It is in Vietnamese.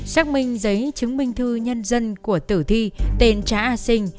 xác minh giấy chứng minh thư nhân dân của tử thi tên trá a sinh